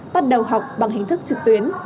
bắt đầu học bằng hình thức trực tuyến